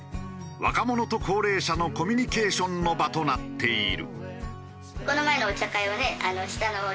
若者と高齢者のコミュニケーションの場となっている。